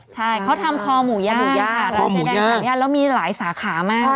ใช่เขาทำคอหมูย่างค่ะร้านเจ๊แดงสามย่านแล้วมีหลายสาขามาก